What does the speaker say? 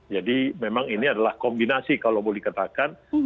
jadi memang ini adalah kombinasi kalau boleh dikatakan